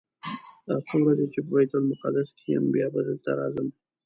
دا څو ورځې چې په بیت المقدس کې یم بیا به دلته راځم.